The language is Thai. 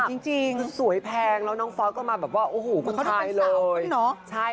สวยจริงสวยแพงแล้วน้องฟอสก็มาแบบว่าโอ้โหคุณชายเลยเขาต้องเป็นสาว